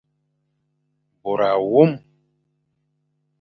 Bôr awôm.